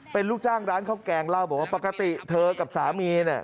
เป็นลูกจ้างร้านข้าวแกงเล่าบอกว่าปกติเธอกับสามีเนี่ย